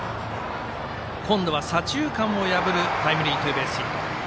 今度は左中間を破るタイムリーツーベースヒット。